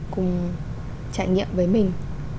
cùng trải nghiệm với mình